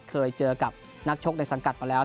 เคยเจอกับนักชกในสังกัดมาแล้ว